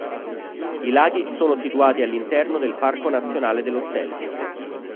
I laghi sono situati all'interno del Parco Nazionale dello Stelvio.